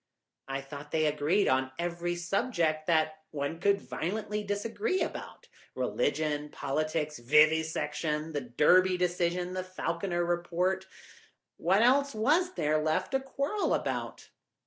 "I thought they agreed on every subject that one could violently disagree about—religion, politics, vivisection, the Derby decision, the Falconer Report; what else was there left to quarrel about?"